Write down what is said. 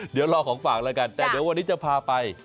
เดี๋ยวรอของฝากแล้วกันแต่เดี๋ยววันนี้จะพาไป